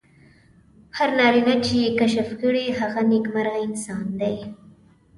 هر نارینه چې یې کشف کړي هغه نېکمرغه انسان دی.